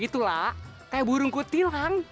itulah kayak burung kutilang